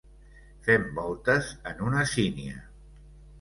Fem voltes en una sínia.